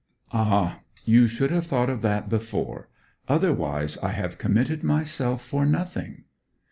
'Ah, you should have thought of that before. Otherwise I have committed myself for nothing.'